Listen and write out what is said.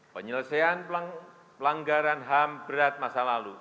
penyelesaian pelanggaran ham berat masa lalu